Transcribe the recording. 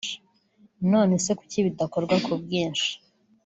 none se kuki bidakorwa ku bwinshi